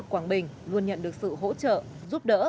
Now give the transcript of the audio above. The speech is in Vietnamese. một trăm bốn mươi một quảng bình luôn nhận được sự hỗ trợ giúp đỡ